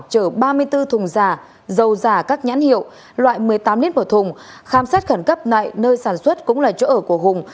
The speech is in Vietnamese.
chở ba mươi bốn thùng giả dầu giả các nhãn hiệu loại một mươi tám lít một thùng khám xét khẩn cấp tại nơi sản xuất cũng là chỗ ở của hùng